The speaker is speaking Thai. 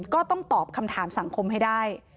ก็ต้องตอบคำถามสังคมให้ได้